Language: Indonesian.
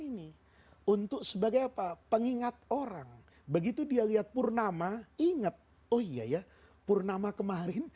ini untuk sebagai apa pengingat orang begitu dia lihat purnama ingat oh iya ya purnama kemarin